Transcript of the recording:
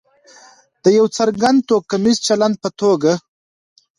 د یو څرګند توکمیز چلند په توګه.